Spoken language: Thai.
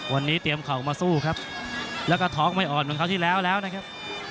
วันนี้เตรียมเข่ามาสู้ครับแล้วก็ท้องไม่อ่อนเหมือนคราวที่แล้วแล้วนะครับ